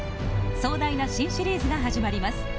壮大な新シリーズが始まります。